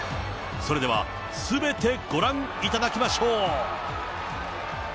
それでは、すべてご覧いただきましょう。